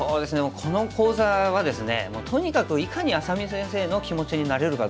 この講座はですねとにかくいかに愛咲美先生の気持ちになれるかどうか。